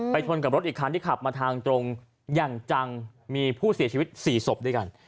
ชนกับรถอีกคันที่ขับมาทางตรงอย่างจังมีผู้เสียชีวิต๔ศพด้วยกัน